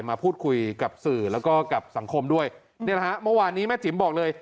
มาพูดคุยกับสื่อแล้วก็กับสังคมด้วยนี่แหละฮะเมื่อวานนี้แม่จิ๋มบอกเลย